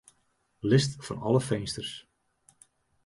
List fan alle finsters.